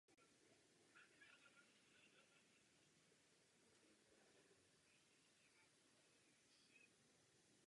Celý komplex kapucínského kláštera včetně lorety je chráněn jako kulturní památka České republiky.